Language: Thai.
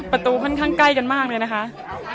ประตูค่อนข้างใกล้กันมากเลยนะคะ